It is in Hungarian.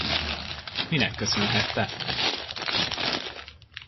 Minek köszönhette?